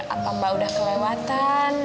apa mbak udah kelewatan